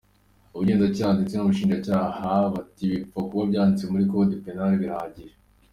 Ubugenzacyaha ndetse n’ubushinjacyaha bati bipfa kuba byanditse muri code penal, birahagije.